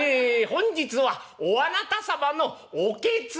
本日はおあなた様のおケツを」。